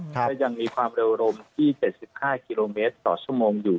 ก็ยังมีความเร็วรมที่๗๕กิโลเมตรต่อชั่วโมงอยู่